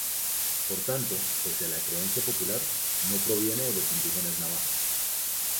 Por tanto, pese a la creencia popular, no proviene de los indígenas navajos.